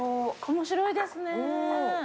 面白いですね。